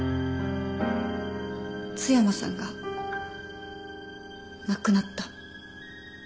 津山さんが亡くなった。